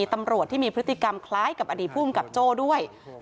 ตำรวจที่มีพฤติกรรมคล้ายกับอดีตภูมิกับโจ้ด้วย